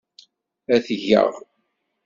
Ad t-geɣ.